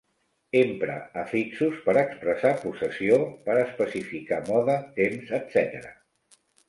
Empra afixos per expressar possessió, per especificar mode, temps, etc.